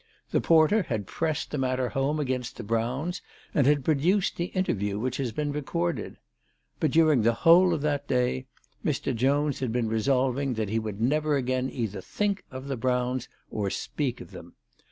The porter had pressed the matter home against the Browns, and had produced the interview which has been recorded. But during the whole of that day Mr. Jones had been resolving that he would never again either think of the Browns or speak of them.